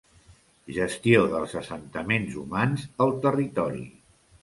Gestió dels assentaments humans al territori.